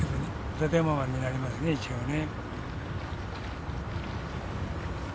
館山湾になりますね一応ね。